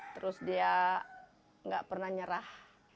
terus dia tidak pernah menyerah